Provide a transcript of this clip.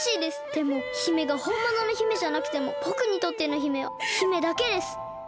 でも姫がほんものの姫じゃなくてもぼくにとっての姫は姫だけです！